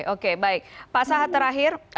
oke baik pak sahat terakhir